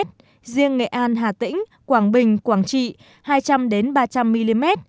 riêng nghệ an hà tĩnh quảng bình quảng trị hai trăm linh ba trăm linh mm